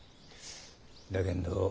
だけんど